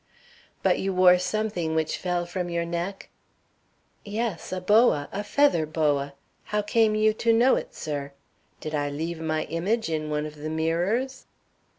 "But you wore something which fell from your neck?" "Yes, a boa a feather boa. How came you to know it, sir? Did I leave my image in one of the mirrors?"